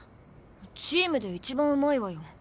チームで一番上手いわよ。